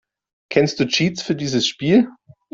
Kennst du Cheats für dieses Spiel?